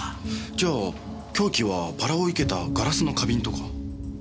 じゃあ凶器はバラを生けたガラスの花瓶とか？